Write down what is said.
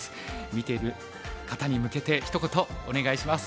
見ている方に向けてひと言お願いします。